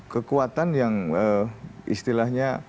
kekuatan yang istilahnya